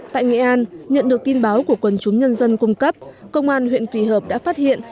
tại nghệ an nhận được tin báo của quần chúng nhân dân cung cấp công an huyện quỳ hợp đã phát hiện